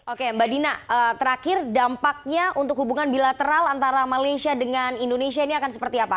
oke mbak dina terakhir dampaknya untuk hubungan bilateral antara malaysia dengan indonesia ini akan seperti apa